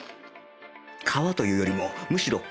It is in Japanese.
皮というよりもむしろ衣